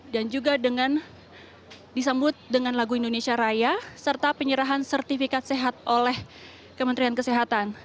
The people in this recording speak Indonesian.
dan juga dengan disambut dengan lagu indonesia raya serta penyerahan sertifikat sehat oleh kementerian kesehatan